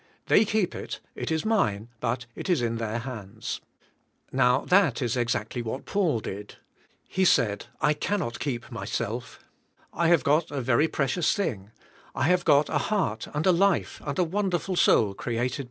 They keep it; it is mine, but it is in their hands. Now, that is exactly what Paul did. He said, "I cannot keep myself. I have got a very precious thing. I have got a heart and a life and a wonderful soul created JMSVS ABL^ TO KlSKP.